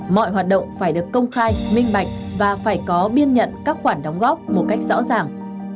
mọi hoạt động phải được công khai minh bạch và phải có biên nhận các khoản đóng góp một cách rõ ràng